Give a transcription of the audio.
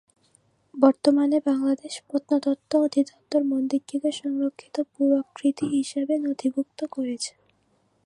বর্তমানে বাংলাদেশ প্রত্নতত্ত্ব অধিদপ্তর মন্দিরটিকে সংরক্ষিত পুরাকীর্তি হিসেবে নথিভূক্ত করেছে।